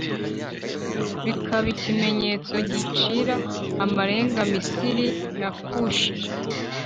bikaba ikimenyetso gicira amarenga Misiri na Kushi.